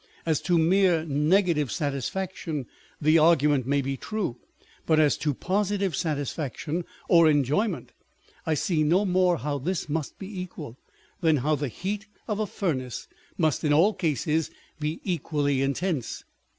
As to mere negative satisfaction, the argument may be true. But as to positive satisfaction or enjoyment, I see no more how this must be equal, than how the heat of a furnace must in all cases be equally intense.